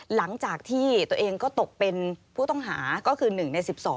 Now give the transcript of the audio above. หลังจากที่ตัวเองก็ตกเป็นผู้ต้องหาก็คือหนึ่งในสิบสอง